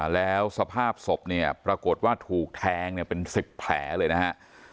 แล้วสภาพศพเนี่ยปรากฏว่าถูกแทงเป็น๑๐แผลเลยนะฮะ